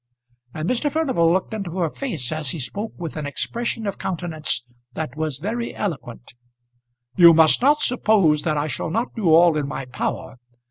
And Mr. Furnival looked into her face as he spoke with an expression of countenance that was very eloquent. "You must not suppose that I shall not do all in my power.